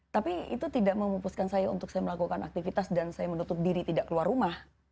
tapi itu tidak memupuskan saya untuk saya melakukan aktivitas dan saya menutup diri tidak keluar rumah